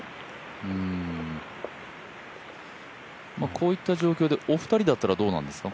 こういった状況でお二人だったらどうなんですか？